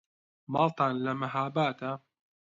ماڵتان لە مەهابادە؟